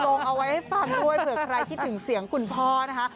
ลงเอาไว้ให้ฟังด้วยเผื่อใครคิดถึงเสียงคุณพ่อนะคะ